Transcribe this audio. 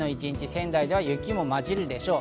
仙台では雪も混じるでしょう。